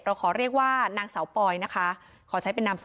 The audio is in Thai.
เราขอเรียกว่า